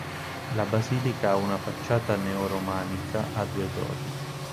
La basilica ha una facciata neoromanica a due torri.